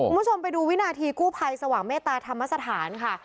คุณผู้ชมไปดูวินาทีกู้ภัยสว่างเมตตาธรรมสถานค่ะ